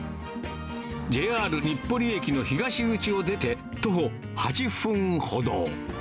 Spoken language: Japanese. ＪＲ日暮里駅の東口を出て、徒歩８分ほど。